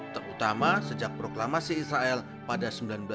terutama sejak proklamasi israel pada seribu sembilan ratus sembilan puluh